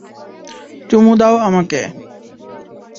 চুমু দাও আমাকে!